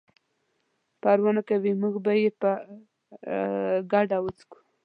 پروا نه کوي موږ به یې په ګډه وڅښو.